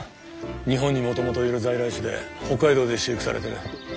日本にもともといる在来種で北海道で飼育されてる。